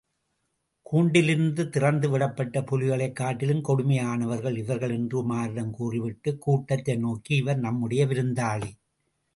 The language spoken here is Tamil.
கூண்டிலிருந்து திறந்துவிடப்பட்ட புலிகளைக் காட்டிலும் கொடுமையானவர்கள் இவர்கள் என்று உமாரிடம் கூறிவிட்டு, கூட்டத்தை நோக்கி, இவர் நம்முடைய விருந்தாளி.